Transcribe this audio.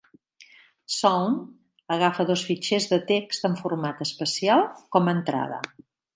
Csound agafa dos fitxers de text amb format especial com a entrada.